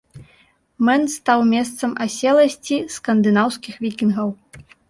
Мэн стаў месцам аселасці скандынаўскіх вікінгаў.